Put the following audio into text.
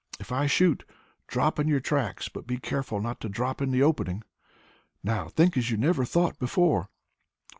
If I shoot, drop in your tracks, but be careful not to drop in the opening. Now think as you never thought before!"